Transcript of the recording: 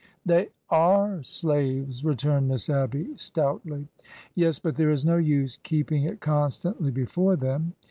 " They are slaves," returned Miss Abby, stoutly. " Yes, but there is no use keeping it constantly before them."